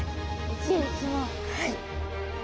はい。